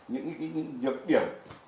những nhược điểm